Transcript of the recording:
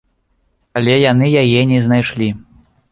Але яны яе не знайшлі